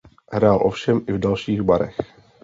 Hrál ovšem i v dalších barech.